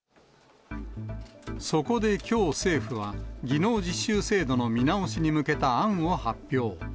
そこできょう、政府は技能実習制度の見直しに向けた案を発表。